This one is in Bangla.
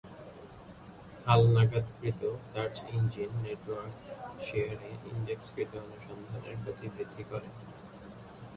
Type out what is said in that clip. হালনাগাদকৃত সার্চ ইঞ্জিন নেটওয়ার্ক শেয়ারে ইনডেক্সকৃত অনুসন্ধানের গতি বৃদ্ধি করে।